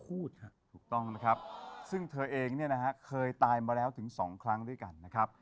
ถูกต้องนะครับซึ่งเธอเองเนี่ยนะฮะเคยตายมาแล้วถึงสองครั้งด้วยกันนะครับ